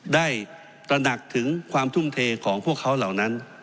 ตระหนักถึงความทุ่มเทของพวกเขาเหล่านั้น